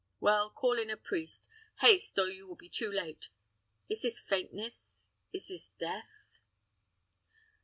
Well, call in a priest haste, or you will be too late is this faintness is this death?"